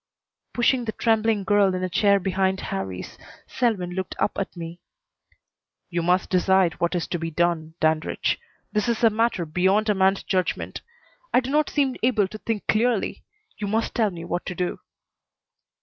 Pushing the trembling girl in a chair behind Harrie's, Selwyn looked up at me. "You must decide what is to be done, Dandridge. This is a matter beyond a man's judgment. I do not seem able to think clearly. You must tell me what to do."